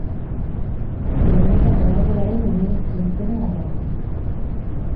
Gernikako Arbolaren omenezko izena darama.